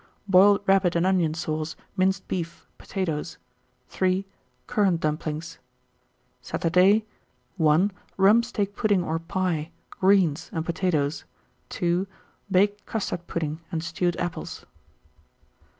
Boiled rabbit and onion sauce, minced beef, potatoes. 3. Currant dumplings. 1901. Saturday. 1. Rump steak pudding or pie, greens, and potatoes. 2. Baked custard pudding and stewed apples.